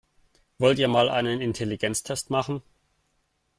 Wollt ihr mal einen Intelligenztest machen?